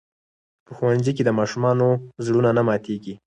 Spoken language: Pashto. په ښوونځي کې د ماشومانو زړونه نه ماتېږي.